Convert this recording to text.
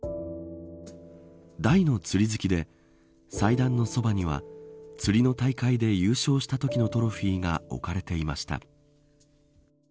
大の釣り好きで祭壇のそばには釣りの大会で優勝したときのトロフィーが置かれていました。